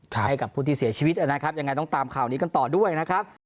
ให้กับผู้ที่เสียชีวิตนะครับยังไงต้องตามข่าวนี้กันต่อด้วยนะครับ